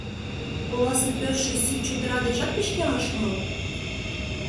Оласе пӧртшӧ сип чодыра дечат пычкемыш мо?..